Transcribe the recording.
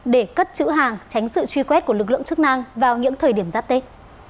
để cất chữ hàng tránh sự truy quét của lực lượng chức năng vào những thời điểm giáp tết